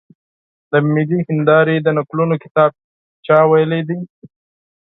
د ملي هېندارې د نکلونو کتاب چا لوستلی دی؟